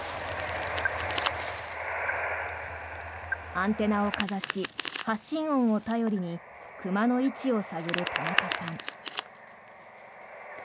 アンテナをかざし発信音を頼りに熊の位置を探る田中さん。